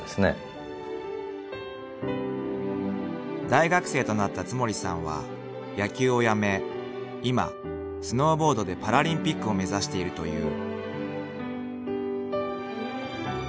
［大学生となった津森さんは野球をやめ今スノーボードでパラリンピックを目指しているという］